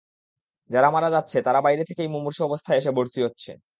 যারা মারা যাচ্ছে, তারা বাইরে থেকেই মুমূর্ষু অবস্থায় এসে ভর্তি হচ্ছে।